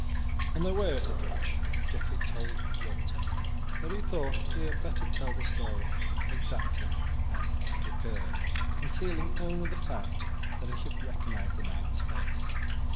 On their way over the bridge Geoffrey told Walter that he thought he had better tell the whole story exactly as it had occurred, concealing only the fact that he had recognized the knight's face.